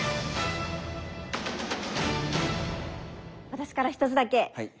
私から一つだけ。